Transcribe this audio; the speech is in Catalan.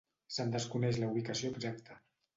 Se'n desconeix la ubicació exacta.